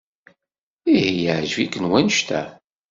Ihi yeɛjeb-iken wanect-a?